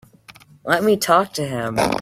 Let me talk to him.